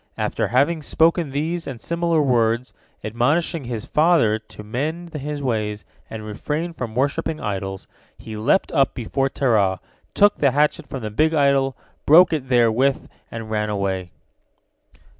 After having spoken these and similar words, admonishing his father to mend his ways and refrain from worshipping idols, he leapt up before Terah, took the hatchet from the big idol, broke it therewith, and ran away.